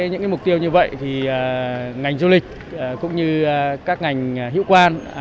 những mục tiêu như vậy thì ngành du lịch cũng như các ngành hiệu quan